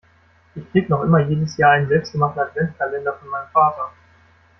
Ich krieg noch immer jedes Jahr einen selbstgemachten Adventkalender von meinem Vater.